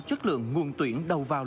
chất lượng nguồn tuyển đầu vào